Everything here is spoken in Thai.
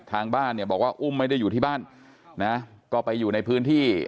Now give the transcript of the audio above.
ทางบ้านเนี่ยบอกว่าอุ้มไม่ได้อยู่ที่บ้านนะก็ไปอยู่ในพื้นที่